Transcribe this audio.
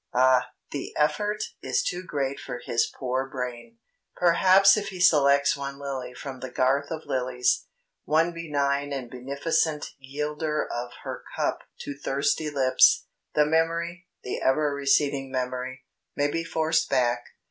Ah! the effort is too great for his poor brain. Perhaps if he selects one lily from the garth of lilies, one benign and beneficent yielder of her cup to thirsty lips, the memory, the ever receding memory, may be forced back.